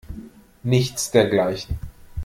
Nichts dergleichen.